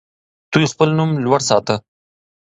دوی خپل نوم لوړ ساته.